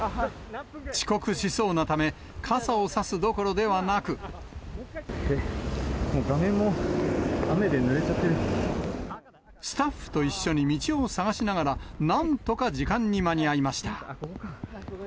遅刻しそうなため、傘を差すもう画面も雨でぬれちゃってスタッフと一緒に道を探しながら、なんとか時間に間に合いました。